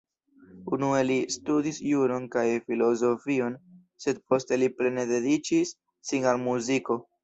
Unue li studis juron kaj filozofion, sed poste li plene dediĉis sin al muziko.